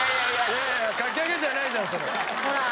いやいやかき揚げじゃないじゃんそれ。